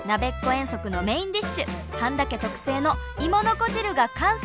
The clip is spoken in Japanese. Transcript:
遠足のメインディッシュ半田家特製の芋の子汁が完成！